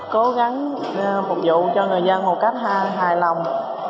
cố gắng phục vụ cho người dân một cách hài lòng